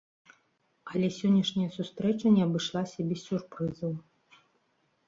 Але сённяшняя сустрэча не абышлася без сюрпрызаў.